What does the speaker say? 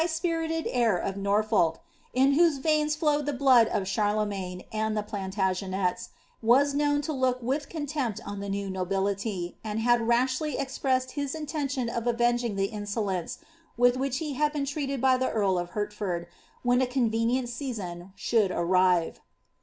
high spirited heir of Norfolk, in whose Teins flowed the hlood ef Charlemagne, and the Plantagenets, was known to look with contempl on the new nobility, and had rashly expressed his intention af sTenging the insolence, with which he had been treated by the earl of Uertfoidi when a convenient season should arrive.